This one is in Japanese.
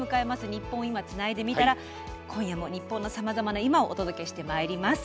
「ニッポン『今』つないでみたら」。今夜も日本のさまざまな今をお届けしてまいります。